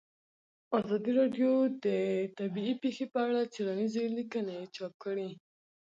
ازادي راډیو د طبیعي پېښې په اړه څېړنیزې لیکنې چاپ کړي.